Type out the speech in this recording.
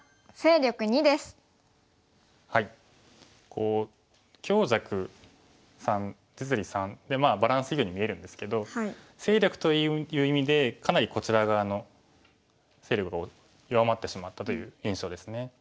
こう強弱３実利３でバランスいいように見えるんですけど勢力という意味でかなりこちら側の勢力弱まってしまったという印象ですね。